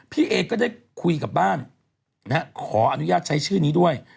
พี่เอก็ได้คุยกับบ้านขออนุญาตใช้ชื่อนี้ด้วย